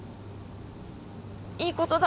いいことだ！